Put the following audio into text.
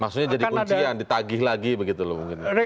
maksudnya jadi kunci yang di tagih lagi begitu loh